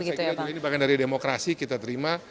ini bagian dari demokrasi kita terima